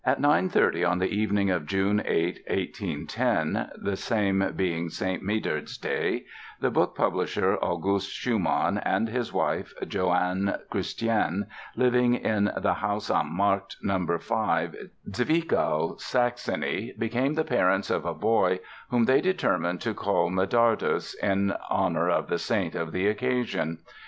PEYSER At 9:30 on the evening of June 8, 1810, (the same being Saint Medard's Day), the book publisher August Schumann and his wife Johanne Christiane, living in the Haus am Markt No. 5, Zwickau, Saxony, became the parents of a boy whom they determined to call Medardus, in honor of the saint of the occasion.